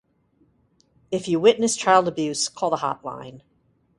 If you witness child abuse, call the hotline